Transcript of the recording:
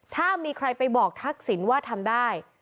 ถ้ามีใครไปบอกทักษิณว่าทำได้